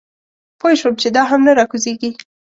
پوی شوم چې دا هم نه راکوزېږي.